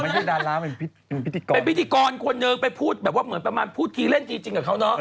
เป็นพิธีกรคนหนึ่งไปพูดแบบว่าเหมือนประมาณพูดคีย์เล่นจริงกับเขาเนอะ